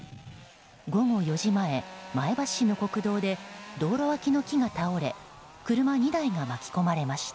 午後４時前、前橋市の国道で道路脇の木が倒れ車２台が巻き込まれました。